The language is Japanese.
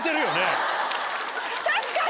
確かに！